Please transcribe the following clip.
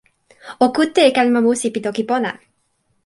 o kute e kalama musi pi toki pona!